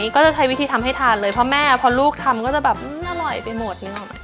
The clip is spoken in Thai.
ก็จะใช้วิธีทำให้ทานเลยเพราะแม่พอลูกทำก็จะแบบอร่อยไปหมดนึกออกไหม